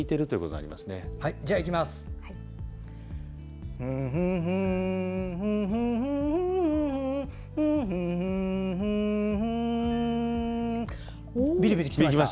はい、じゃあいきます。